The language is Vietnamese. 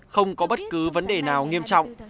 không có bất cứ vấn đề nào nghiêm trọng